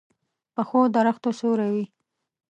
پخو درختو سیوری وي